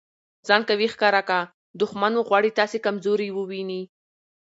ځان قوي ښکاره که! دوښمن مو غواړي تاسي کمزوري وویني.